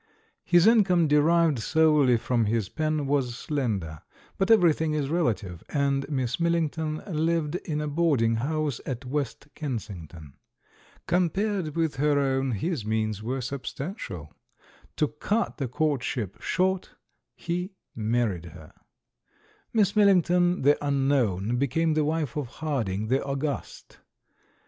His income, derived solely from his pen, was slender; but everything is relative, and Miss Millington lived in a boarding house at West Kensington. Compared with her own, his means 280 THE MAN WHO UNDERSTOOD WOMEN were substantial. To cut the courtship short, he married her. Miss Milhngton, the unknown, be came the wife of Harding, the august.